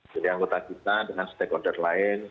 jadi anggota kita dengan stakeholder lain